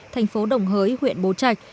thành phố đồng hới huyện bố trạch